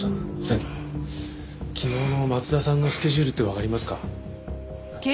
昨日の松田さんのスケジュールってわかりますか？